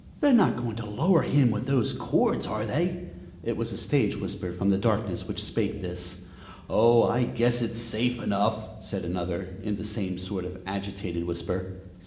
"They're not going to lower him with those cords, are they?" It was a stage whisper from the darkness which spake thus. "Oh, I guess it's safe enough!" said another, in the same sort of agitated whisper.